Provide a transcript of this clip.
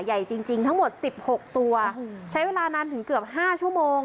ใหญ่จริงจริงทั้งหมด๑๖ตัวใช้เวลานานถึงเกือบ๕ชั่วโมง